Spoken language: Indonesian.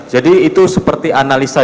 jadi itu seperti analisa